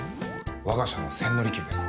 我が社の千利休です。